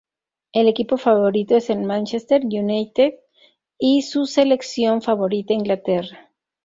Su equipo favorito es el Manchester United y su selección favorita Inglaterra.